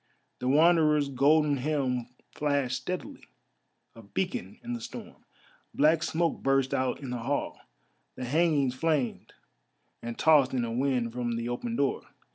The Wanderer's golden helm flashed steadily, a beacon in the storm. Black smoke burst out in the hall, the hangings flamed and tossed in a wind from the open door.